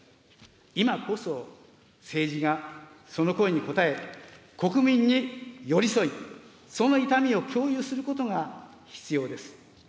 今こそ、政治がその声に応え、国民に寄り添い、その痛みを共有することが必要です。